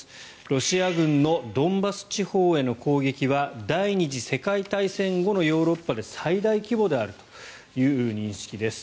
ロシア軍のドンバス地方への攻撃は第２次世界大戦後のヨーロッパで最大規模であるという認識です。